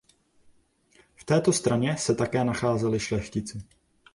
V této straně se také nacházeli šlechtici.